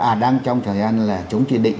à đang trong thời gian là chúng chỉ định